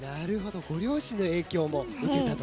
ご両親の影響もあったと。